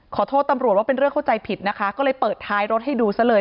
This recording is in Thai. ขอโทษตำรวจว่าเป็นเรื่องเข้าใจผิดนะคะก็เลยเปิดท้ายรถให้ดูซะเลย